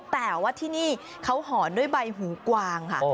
แต่ว่าที่นี่เขาหอนด้วยใบหูกวางค่ะ